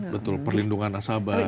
betul perlindungan nasabah dan sebagainya